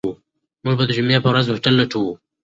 موږ به د جمعې په ورځ هوټل لټوو.